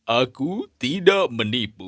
aku tidak menipu